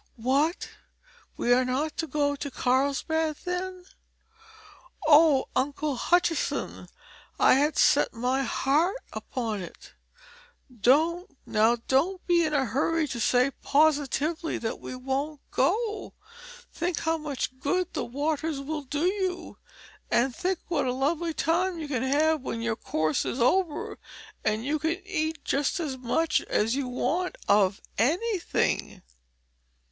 "What! We are not to go to Carlsbad, then? Oh, Uncle Hutchinson, I had set my heart upon it! Don't, now don't be in a hurry to say positively that we won't go. Think how much good the waters will do you, and think of what a lovely time you can have when your course is over, and you can eat just as much as you want of anything!"